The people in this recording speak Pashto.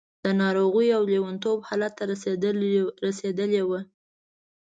د ناروغۍ او لېونتوب حالت ته رسېدلې وه.